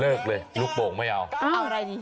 เลิกเลยลูกโป่งไม่เอา